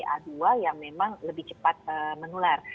varian ba dua yang memang lebih cepat menular